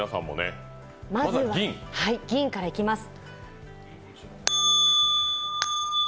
まずは銀からいきます。